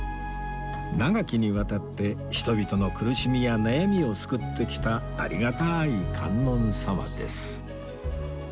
長きにわたって人々の苦しみや悩みを救ってきたありがたい観音様です